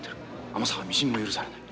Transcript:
甘さはみじんも許されない。